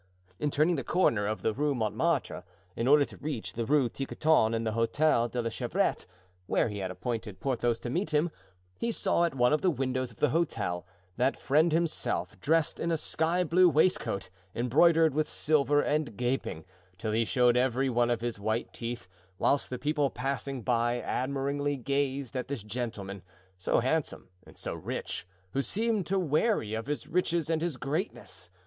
In turning the corner of the Rue Montmartre, in order to reach the Rue Tiquetonne and the Hotel de la Chevrette, where he had appointed Porthos to meet him, he saw at one of the windows of the hotel, that friend himself dressed in a sky blue waistcoat, embroidered with silver, and gaping, till he showed every one of his white teeth; whilst the people passing by admiringly gazed at this gentleman, so handsome and so rich, who seemed to weary of his riches and his greatness.